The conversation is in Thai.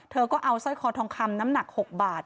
เธอก็เอาสร้อยคอทองคำน้ำหนัก๖บาท